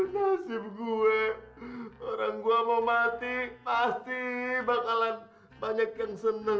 nasib gue orang gua mau mati pasti bakalan banyak yang senang